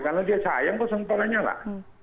karena dia sayang kok sama pak lanya lah